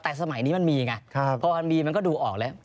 แต่สมัยนี้มันมีไงพอมันมีมันก็ดูออกแล้ว